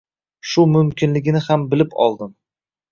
Shu mumkinligini ham bilib oldim.